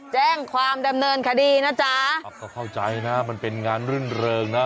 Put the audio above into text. แจ้งความดำเนินคดีนะจ๊ะก็เข้าใจนะมันเป็นงานรื่นเริงนะ